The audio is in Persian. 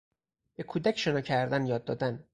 به کودک شنا کردن یاد دادن